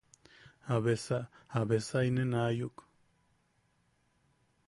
¿Jabesa... jabesa inen aayuk?